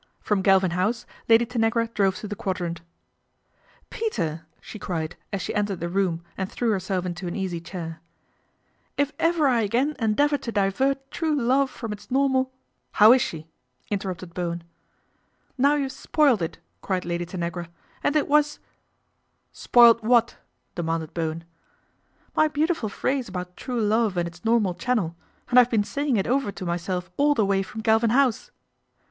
From Galvin House Lady Tanagra drove to the Quadrant. " Peter !" she cried as she entered the room and threw herself into an easy chair, " if ever I again endeavour to divert true love from its normal "" How is she ?"' interrupted Bowen. " Now you've spoiled it," cried Lady Tanagra, " and it was "" Spoiled what ?" demanded Bowen. " My beautiful phrase about true love and its normal channel, and I have been saying it over to myself all the way from Galvin House."